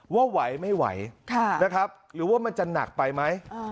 ว่าไหวไม่ไหวนะครับหรือว่ามันจะหนักไปไหม